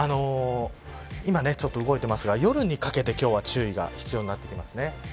今ちょっと動いていますが夜にかけて注意が必要になってきます。